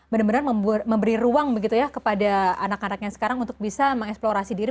benar benar memberi ruang begitu ya kepada anak anaknya sekarang untuk bisa mengeksplorasi diri